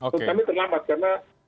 terutama terlambat karena